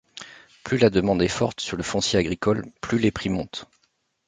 Plus la demande est forte sur le foncier agricole, plus les prix montent.